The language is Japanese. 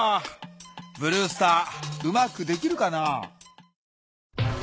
ブルースターうまくできるかな。